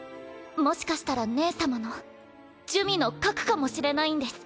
もしかしたら姉様の珠魅の核かもしれないんです。